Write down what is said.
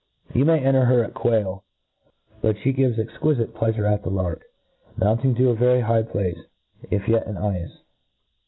107 You may enter her at quail j but fhe gives ex quifite pleafure at the lark, mounting to a very high place, if yet an eyefs.